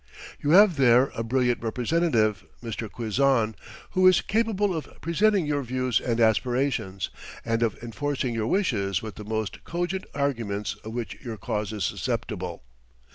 "You have there a brilliant representative (Mr. Quezon), who is capable of presenting your views and aspirations, and of enforcing your wishes with the most cogent arguments of which your cause is susceptible....